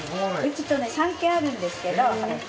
うちとね３軒あるんですけど。